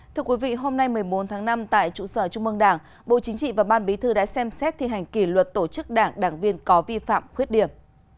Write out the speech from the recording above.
thưa quý vị hôm nay một mươi bốn tháng năm tại trụ sở trung mương đảng bộ chính trị và ban bí thư đã xem xét thi hành kỷ luật tổ chức đảng đảng viên có vi phạm khuyết điểm